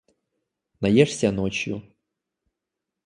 Наешься ночью.